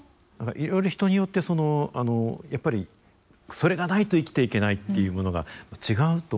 いろいろ人によってそのやっぱりそれがないと生きていけないっていうものが違うと思いますのでね。